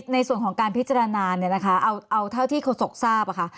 ในส่วนของการพิจารณาเอาเท่าที่เขาสกทราบค่ะ